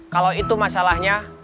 kalau itu masalahnya